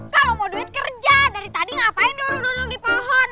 kalo mau duit kerja dari tadi ngapain duduk duduk di pohon